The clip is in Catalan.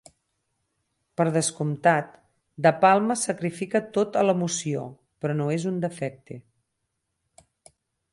Per descomptat, De Palma sacrifica tot a l'emoció, però no és un defecte.